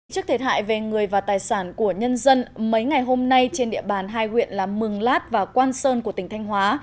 trước thiệt hại về người và tài sản của nhân dân mấy ngày hôm nay trên địa bàn hai huyện là mừng lát và quan sơn của tỉnh thanh hóa